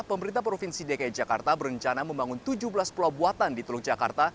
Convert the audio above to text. pemerintah provinsi dki jakarta berencana membangun tujuh belas pulau buatan di teluk jakarta